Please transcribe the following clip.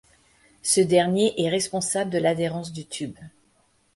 Ce dernier est responsable de l'adhérence du tube.